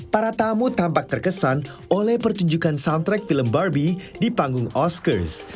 para tamu tampak terkesan oleh pertunjukan soundtrack film barbie di panggung oscars